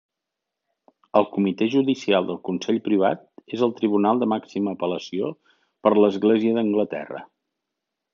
El Comitè Judicial del Consell Privat és el tribunal de màxima apel·lació per l'Església d'Anglaterra.